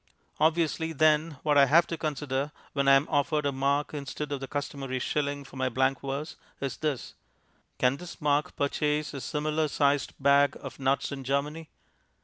Obviously, then, what I have to consider, when I am offered a mark instead of the customary shilling for my blank verse, is this: "Can this mark purchase a similar sized bag of nuts in Germany?"